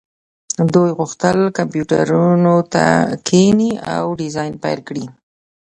دوی غوښتل کمپیوټرونو ته کښیني او ډیزاین پیل کړي